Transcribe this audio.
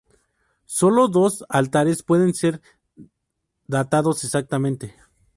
Solo dos altares pueden ser datados exactamente.